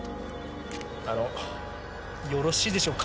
あのよろしいでしょうか？